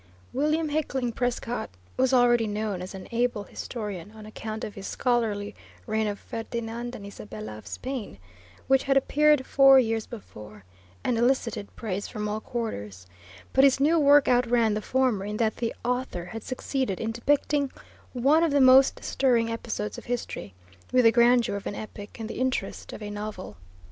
William Hickling Prescott was already known as an able historian on account of his scholarly Reign of Ferdinand and Isabella of Spain which had appeared four years before and elicited praise from all quarters; but his new work outran the former in that the author had succeeded in depicting one of the most stirring episodes of history with the grandeur of an epic and the interest of a novel.